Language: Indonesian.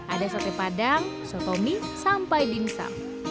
ada sate padang sotomi sampai dimsum